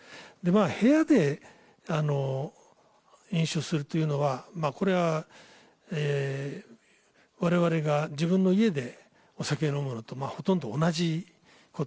部屋で飲酒するというのはこれは我々が自分の家で酒を飲むのとほとんど同じこと。